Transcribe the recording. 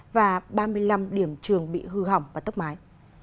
và ba mươi năm điểm trường bị hư hỏng và tốc mái